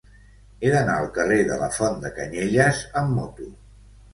He d'anar al carrer de la Font de Canyelles amb moto.